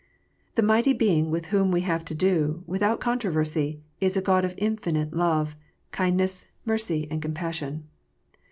The mighty Being with whom we have to do, without controversy, is a God of infinite love, kindness, mercy, and compassion.